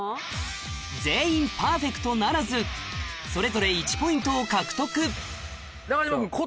全員パーフェクトならずそれぞれ１ポイントを獲得中島君琴？